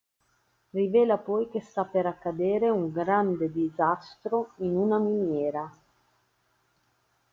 Rivela poi che sta per accadere un grande disastro in una miniera.